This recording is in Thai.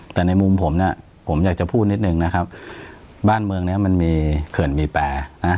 แต่ในมุมผมเนี่ยผมอยากจะพูดนิดนึงนะครับบ้านเมืองเนี้ยมันมีเขื่อนมีแปรนะ